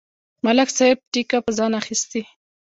ملک صاحب ټېکه په ځان اخستې.